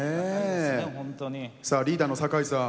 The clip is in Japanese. ねえ！さあリーダーの酒井さん。